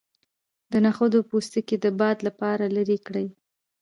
د نخود پوستکی د باد لپاره لرې کړئ